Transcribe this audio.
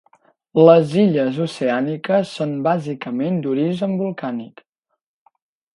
Les illes oceàniques són bàsicament d'origen volcànic.